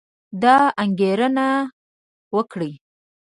دا انګېرنه وکړئ